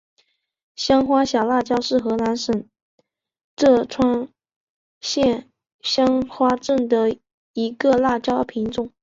香花小辣椒是河南省淅川县香花镇的一个辣椒品种。